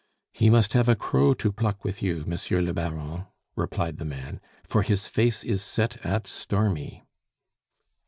"He must have a crow to pluck with you, Monsieur le Baron," replied the man, "for his face is set at stormy."